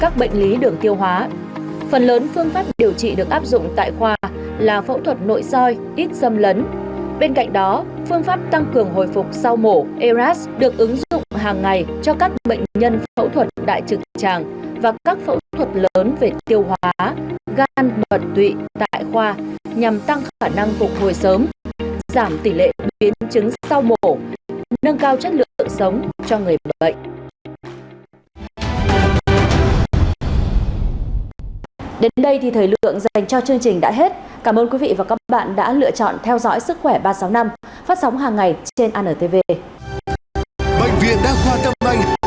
phương pháp tăng cường hồi phục hồi sớm giảm tỷ lệ biến chứng sau mổ eras được ứng dụng hàng ngày cho các bệnh nhân phẫu thuật đại trực tràng và các phẫu thuật lớn về tiêu hóa gan bẩn tỷ lệ biến chứng sau mổ eras được ứng dụng hàng ngày cho các bệnh nhân phẫu thuật dưới nhiệt độ chất lượng dễ sáng và chất lượng